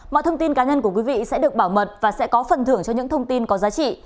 mọi thông tin cá nhân của quý vị sẽ được bảo mật và sẽ có phần thưởng cho những thông tin có giá trị